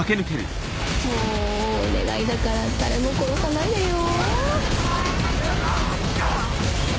もうお願いだから誰も殺さないでよ。